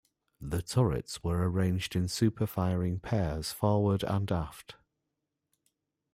The turrets were arranged in superfiring pairs forward and aft.